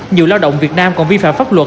nhiều lao động việt nam còn vi phạm pháp luật